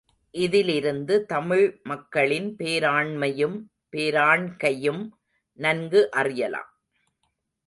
இதிலிருந்து தமிழ் மக்களின் பேராண்மையும், போராண்கையும் நன்கு அறியலாம்.